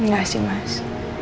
gak sih mas